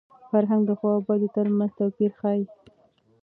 فرهنګ د ښو او بدو تر منځ توپیر ښيي.